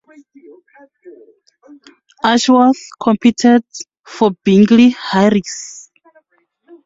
Ashworth competed for Bingley Harriers.